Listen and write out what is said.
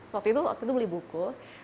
waktu itu waktu itu beli buku